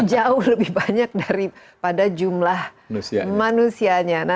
jauh lebih banyak daripada jumlah manusianya